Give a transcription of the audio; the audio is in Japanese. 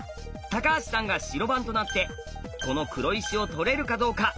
橋さんが白番となってこの黒石を取れるかどうか。